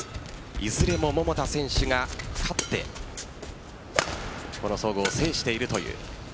いずれも桃田選手が勝ってこの総合を制しているという。